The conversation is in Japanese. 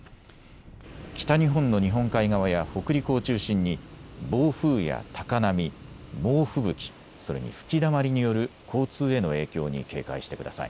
北日本の日本海側や北陸を中心に暴風や高波、猛吹雪、それに吹きだまりによる交通への影響に警戒してください。